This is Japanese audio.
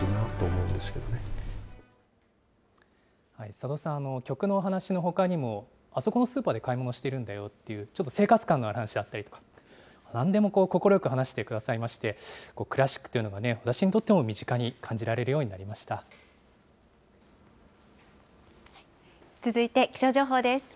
佐渡さん、曲の話のほかにも、あそこのスーパーで買い物してるんだよっていう、ちょっと生活感がある話だったり、なんでも快く話してくださいまして、クラシックというのが、暮らしにとっても身近に感じられ続いて気象情報です。